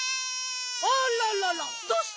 あらららどうしたの！？